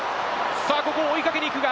ここを追いかけに行くか？